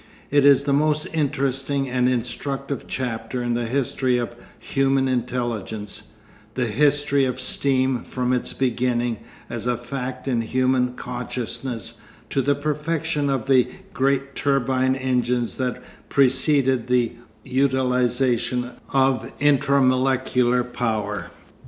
It is the most interesting and instructive chapter in the history of the human intelligence, the history of steam from its beginning as a fact in human consciousness to the perfection of the great turbine engines that preceded the utilisation of intra molecular power.